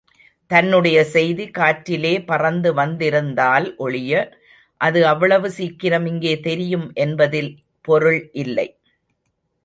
தன்னுடைய செய்தி காற்றிலே பறந்து வந்திருந்தால் ஒழிய, அது அவ்வளவு சீக்கிரம் இங்கே தெரியும் என்பதில் பொருள் இல்லை.